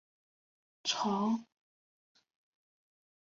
巢由放置在泥或底部鸡蛋的网络的沙覆盖。